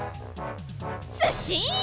ずっしん！